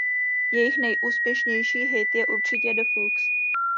Jejich nejúspěšnější hit je určitě "The Fox".